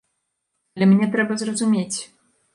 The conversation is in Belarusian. Але мне трэба зразумець.